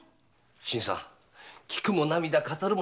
新さん聞くも涙語るも涙。